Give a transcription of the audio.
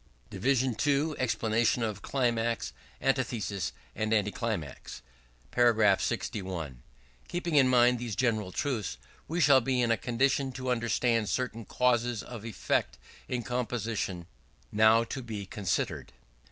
ii Explanation of Climax, Antithesis, and Anticlimax. § 61. Keeping in mind these general truths, we shall be in a condition to understand certain causes of effect in composition now to be considered.